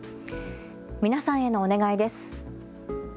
皆さんへのお願いです。